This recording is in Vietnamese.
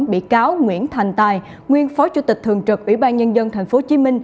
bị cáo nguyễn thành tài nguyên phó chủ tịch thường trực ủy ban nhân dân tp hcm